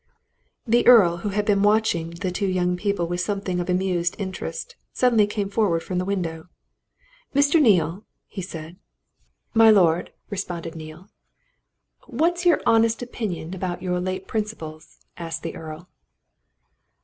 The Earl, who had been watching the two young people with something of amused interest, suddenly came forward from the window. "Mr. Neale!" he said. "My lord!" responded Neale. "What's your honest opinion about your late principals?" asked the Earl.